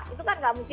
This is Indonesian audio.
itu kan tidak mungkin